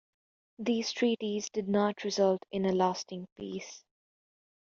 These treaties did not result in a lasting peace.